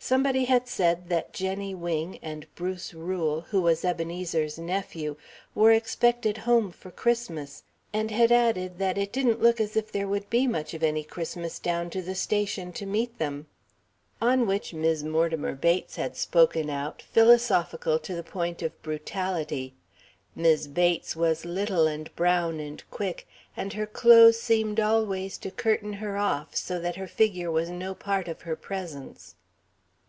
Somebody had said that Jenny Wing, and Bruce Rule, who was Ebenezer's nephew, were expected home for Christmas, and had added that it "didn't look as if there would be much of any Christmas down to the station to meet them." On which Mis' Mortimer Bates had spoken out, philosophical to the point of brutality. Mis' Bates was little and brown and quick, and her clothes seemed always to curtain her off, so that her figure was no part of her presence.